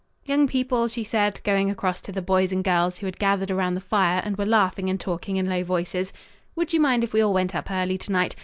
"Young people," she said, going across to the boys and girls, who had gathered around the fire and were laughing and talking in low voices, "would you mind if we all went up early to night?